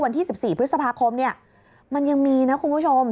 วันที่๑๔พฤษภาคมเนี่ยมันยังมีนะคุณผู้ชม